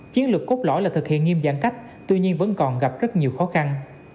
chiến lược cốt lõi là thực hiện nghiêm giãn cách tuy nhiên vẫn còn gặp rất nhiều khó khăn